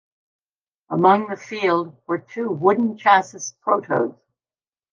Among the field were two wooden-chassis Protos.